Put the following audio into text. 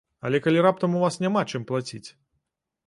Але калі раптам у вас няма чым плаціць?